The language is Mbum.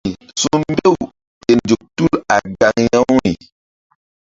Nzuk tul a gaŋuri su̧mbew ke nzuk tul a gaŋ ya-uri.